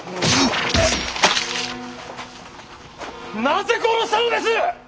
なぜ殺したのです！？